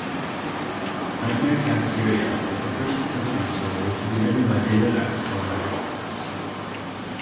"Nightmare Cafeteria" was the first Simpsons story to be written by David X. Cohen.